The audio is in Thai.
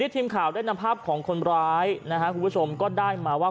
ทีมข่าวได้นำภาพของคนร้ายคุณผู้ชมก็ได้มาว่า